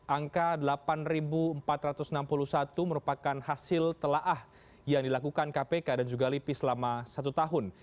angka delapan empat ratus enam puluh satu merupakan hasil telah yang dilakukan kpk dan juga lipi selama satu tahun